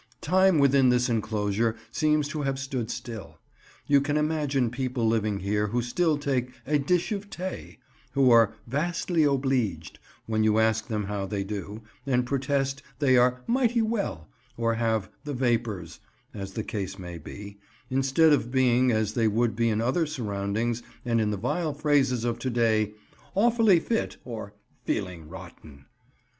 Time within this enclosure seems to have stood still. You can imagine people living here who still take "a dish of tay," who are "vastly obleeged" when you ask them how they do, and protest they are "mighty well," or have "the vapours," as the case may be, instead of being, as they would be in other surroundings and in the vile phrases of to day, "awfully fit," or "feeling rotten."